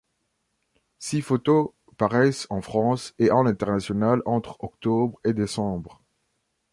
Six photos paraissent en France et à l'international entre octobre et décembre.